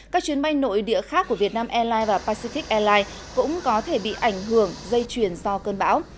các chuyến bay nội địa khác của việt nam airlines và pacific airlines cũng có thể bị ảnh hưởng dây chuyển do cơn bão